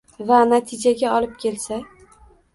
va natijaga olib kelsa